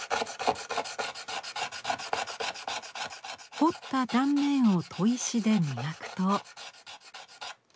彫った断面を砥石で磨くと。